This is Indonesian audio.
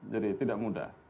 jadi tidak mudah